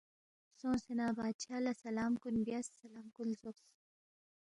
سونگسے نہ بادشاہ لہ سلام کُن بیاس، سلام کن لزوقس